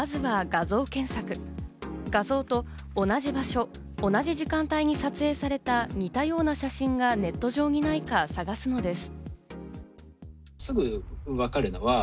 画像と同じ場所、同じ時間帯に撮影された似たような写真がネット上にないか探すのです。